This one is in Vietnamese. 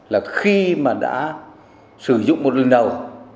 là khi mà đã sử dụng một lần đầu